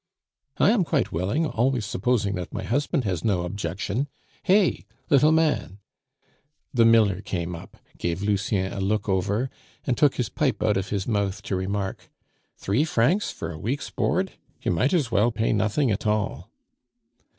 "I am quite willing, always supposing that my husband has no objection. Hey! little man!" The miller came up, gave Lucien a look over, and took his pipe out of his mouth to remark, "Three francs for a weeks board? You might as well pay nothing at all."